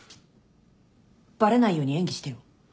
バレないように演技してよ